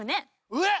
えっ！